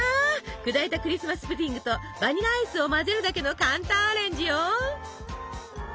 砕いたクリスマス・プディングとバニラアイスを混ぜるだけの簡単アレンジよ！